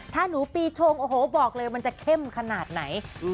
ถ้าหนูปีชงโอ้โหบอกเลยมันจะเข้มขนาดไหน